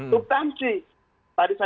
subtansi tadi saya